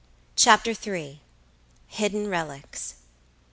CHAPTER III. HIDDEN RELICS.